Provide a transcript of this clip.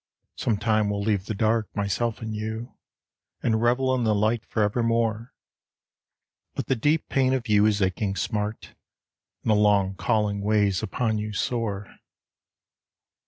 Sometime we'll leave the dark, myself and you, And revel in the light for evermore. But the deep pain of you is aching smart, And a long calling weighs upon you sore.